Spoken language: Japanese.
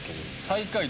最下位